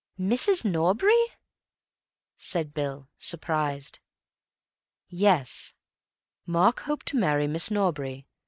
"Mrs. Norbury?" said Bill, surprised. "Yes. Mark hoped to marry Miss Norbury.